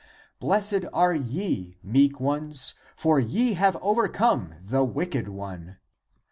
Blessed are ye, meek ones, for ye have overcome the wicked one.